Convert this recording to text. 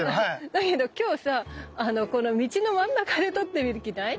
だけど今日さこの道の真ん中で撮ってみる気ない？